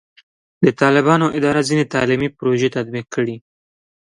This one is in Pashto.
د طالبانو اداره ځینې تعلیمي پروژې تطبیق کړي.